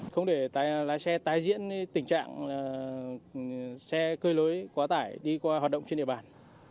không để lái xe tái diễn tình trạng xe cơi lối quá tải đi qua hoạt động trên địa bàn